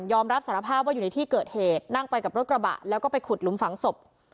รับสารภาพว่าอยู่ในที่เกิดเหตุนั่งไปกับรถกระบะแล้วก็ไปขุดหลุมฝังศพ